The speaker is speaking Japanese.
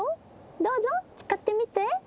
どうぞ使ってみて。